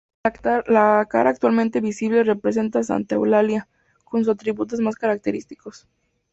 La cara actualmente visible representa Santa Eulalia con sus atributos más característicos.